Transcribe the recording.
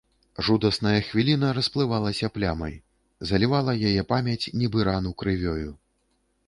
Жудасная хвіліна расплывалася плямай, залівала яе памяць, нібы рану крывёю.